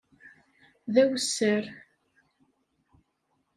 D awessar.